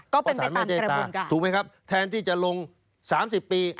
ก็เป็นไปตามกระบวนการถูกไหมครับแทนที่จะลง๓๐ปี